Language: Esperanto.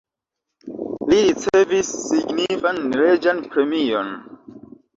Li ricevis signifan reĝan premion.